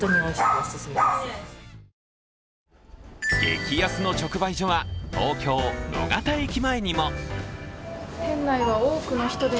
激安の直売所は東京・野方駅前にも。